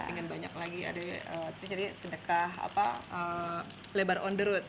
pengen banyak lagi ada kita cari sedekah apa lebar on the road